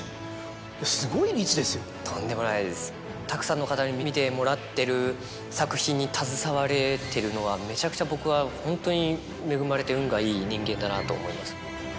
たくさんの方に見てもらってる作品に携われてるのはめちゃくちゃ僕はホントに恵まれて運がいい人間だなと思います。